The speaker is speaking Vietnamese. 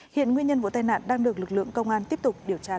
hiện nguyên nhân vụ tai nạn đang được lực lượng công an tiếp tục điều tra làm rõ